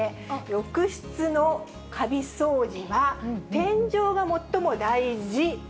浴室のかび掃除は天井が最も大事？